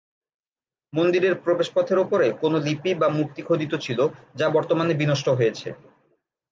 মন্দিরের প্রবেশপথের ওপরে কোন লিপি বা মূর্তি খোদিত ছিল, যা বর্তমানে বিনষ্ট হয়েছে।